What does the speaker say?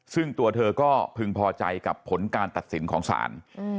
ซึ่งตัวเธอก็พึงพอใจกับผลการตัดสินของศาล